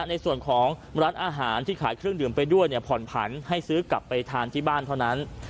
ในส่วนของร้านอาหารที่ขายเครื่องดื่มไปด้วยเนี่ยผ่อนผันให้ซื้อกลับไปทานที่บ้านเท่านั้น